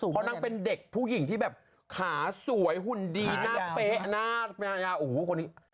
เพราะนางเป็นเด็กผู้หญิงที่แบบขาสวยหุ่นดีหน้าเป๊ะหน้ายาโอ้โหคนนี้